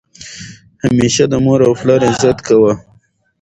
همیشه د مور او پلار عزت کوه!